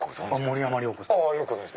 森山良子さん。